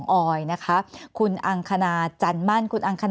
แอนตาซินเยลโรคกระเพาะอาหารท้องอืดจุกเสียดแสบร้อน